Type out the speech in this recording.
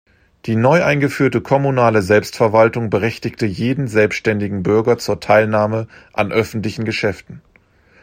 Die neu eingeführte kommunale Selbstverwaltung berechtigte jeden selbständigen Bürger zur Teilnahme an öffentlichen Geschäften.